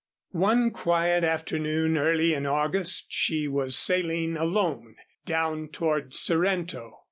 One quiet afternoon, early in August, she was sailing alone down toward Sorrento.